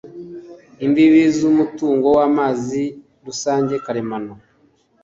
Imbibi z umutungo w amazi rusange karemano